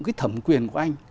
cái thẩm quyền của anh